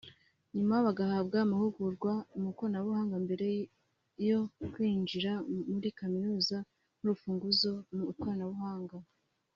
nyuma bagahabwa amahugurwa mu ikoranabuhanga mbere yo kwinjira muri kaminuza nk’urufunguzo mu ikoranabuhanga